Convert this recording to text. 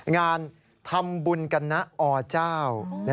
งานทำบุญกันนะอเจ้า